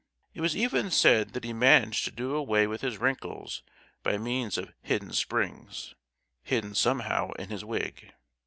It was even said that he managed to do away with his wrinkles by means of hidden springs—hidden somehow in his wig.